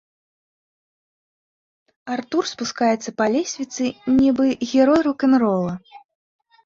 Артур спускаецца па лесвіцы, нібы герой рок-н-рола.